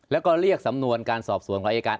แล้วก็เรียกสำนวนการสอบสวนของอายการ